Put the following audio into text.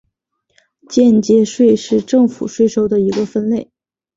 间接税是政府税收的一个分类。